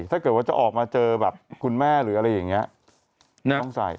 ถ้าเกิดว่าจะออกมาเจอแบบคุณแม่หรืออะไรอย่างนี้ต้องใส่